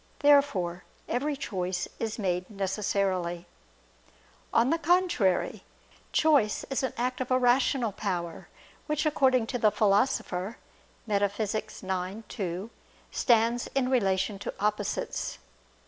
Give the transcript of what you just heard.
Therefore every choice is made necessarily. On the contrary, Choice is an act of a rational power; which according to the Philosopher (Metaph. ix, 2) stands in relation to opposites.